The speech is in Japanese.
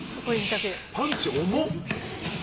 パンチ、重っ！